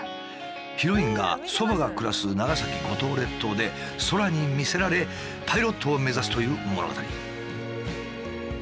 ヒロインが祖母が暮らす長崎五島列島で空に魅せられパイロットを目指すという物語。